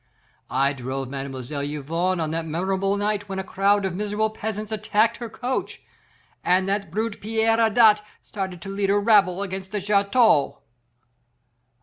I drove Mlle. Yvonne on that memorable night when a crowd of miserable peasants attacked her coach, and that brute Pierre Adet started to lead a rabble against the château.